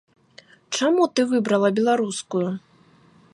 Чаму ты выбрала беларускую?